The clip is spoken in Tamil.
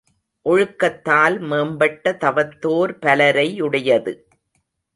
ஒழுக்கத்தால் மேம்பட்ட தவத்தோர் பலரை யுடையது.